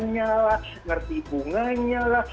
bayaran lah ngerti bunganya lah